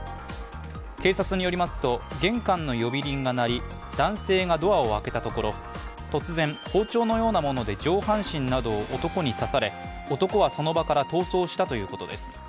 警察によりますと、玄関の呼び鈴が鳴り、男性がドアを開けたところ突然、包丁のようなもので上半身などを男に刺され男は、その場から逃走したということです。